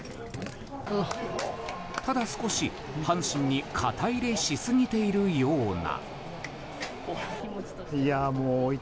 ただ少し、阪神に肩入れしすぎているような。